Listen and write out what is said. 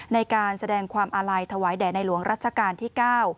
ในการแสดงความอาลัยถวายแด่ในหลวงรัชกาลที่๙